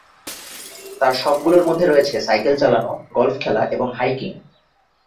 তার শখগুলোর মধ্যে রয়েছে সাইকেল চালানো, গলফ খেলা এবং হাইকিং।